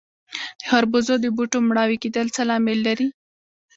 د خربوزو د بوټو مړاوي کیدل څه لامل لري؟